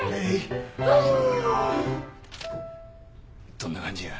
どんな感じや？